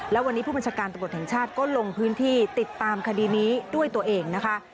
และวันนี้ผู้บัญชาการตำรวจแห่งชาติก็ลงพื้นที่ติดตามคดีนี้ด้วยตัวเองนะคะ